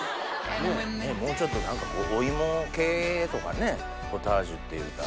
もうちょっと何かこうお芋系とかねポタージュっていうたら。